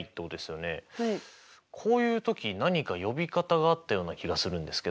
こういう時何か呼び方があったような気がするんですけど。